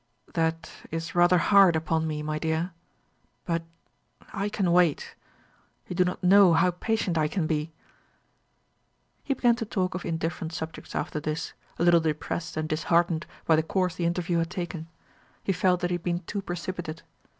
"That is rather hard upon me, my dear. But I can wait. You do not know how patient I can be." He began to talk of indifferent subjects after this, a little depressed and disheartened by the course the interview had taken. He felt that he had been too precipitate.